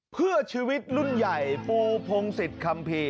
เพื่อชีวิตรุ่นใหญ่ปูพงศิษย์คัมภีร์